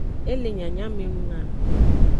E le nyanyamenung a.